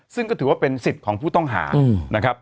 ซึ่งก็ถือว่าเป็นสิทธิ์ของผู้ต้องหานะครับ